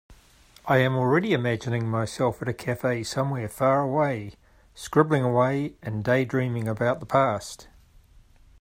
I am already imagining myself at a cafe somewhere far away, scribbling away and daydreaming about the past.